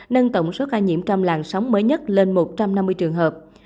nâng tổng số ca nhiễm trong làn sóng mới nhất lên một trăm năm mươi trường hợp